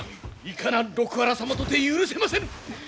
いかな六波羅様とて許せませぬ！